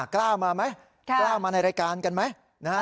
กล้ามาไหมกล้ามาในรายการกันไหมนะฮะ